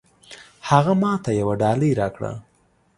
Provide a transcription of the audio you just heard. هغه ماته يوه ډالۍ راکړه.